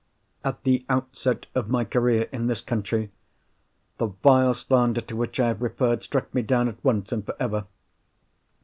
At the outset of my career in this country, the vile slander to which I have referred struck me down at once and for ever.